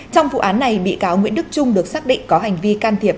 trong vụ án này bị cáo nguyễn đức trung được xác định có hành vi can thiệp